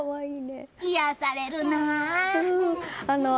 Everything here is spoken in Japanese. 癒やされるなあ。